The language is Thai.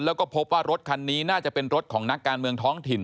แล้วก็พบว่ารถคันนี้น่าจะเป็นรถของนักการเมืองท้องถิ่น